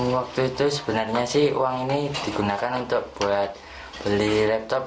waktu itu sebenarnya uang ini digunakan untuk beli laptop